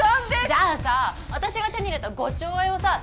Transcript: じゃあさ私が手に入れた５兆円をさあ